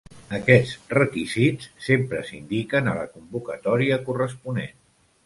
Aquests requisits sempre s'indiquen a la convocatòria corresponent.